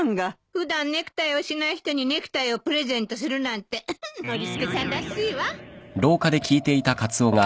普段ネクタイをしない人にネクタイをプレゼントするなんてウフノリスケさんらしいわ。